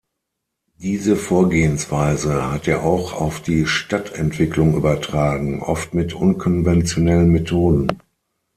Diese Vorgehensweise hat er auch auf die Stadtentwicklung übertragen, oft mit unkonventionellen Methoden.